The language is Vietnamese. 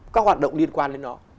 các hoạt động liên quan đến nó